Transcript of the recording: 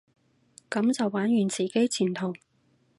噉就玩完自己前途？